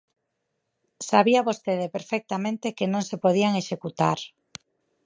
Sabía vostede perfectamente que non se podían executar.